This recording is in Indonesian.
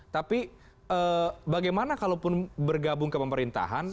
tapi bagaimana kalau pun bergabung ke pemerintahan